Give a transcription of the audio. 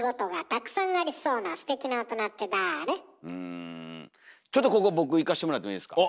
うんちょっとここ僕いかしてもらってもいいですか。